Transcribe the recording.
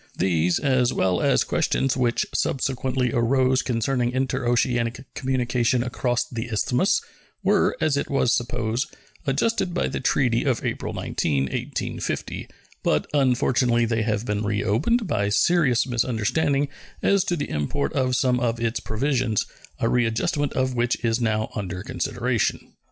These, as well as questions which subsequently arose concerning interoceanic communication across the Isthmus, were, as it was supposed, adjusted by the treaty of April 19, 1850, but, unfortunately, they have been reopened by serious misunderstanding as to the import of some or its provisions, a readjustment of which is now under consideration.